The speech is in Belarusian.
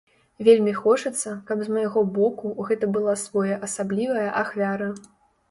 Вельмі хочацца, каб з майго боку гэта была своеасаблівая ахвяра.